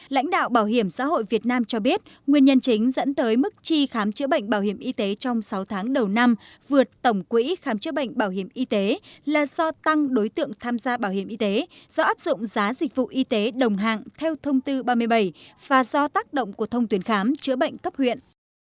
lãnh đạo bảo hiểm xã hội việt nam cho biết nguyên nhân chính dẫn tới mức chi khám chữa bệnh bảo hiểm y tế trong sáu tháng đầu năm vượt tổng quỹ khám chữa bệnh bảo hiểm y tế là do tăng đối tượng tham gia bảo hiểm y tế do áp dụng giá dịch vụ y tế đồng hạng theo thông tư ba mươi bảy và do tác động của thông tuyến khám chữa bệnh cấp huyện